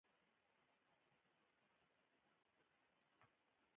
زه د شبکې ترافیک څارنه کوم.